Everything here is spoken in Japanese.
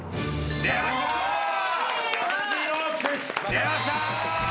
出ました！